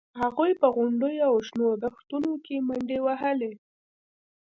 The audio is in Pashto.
هغوی په غونډیو او شنو دښتونو کې منډې وهلې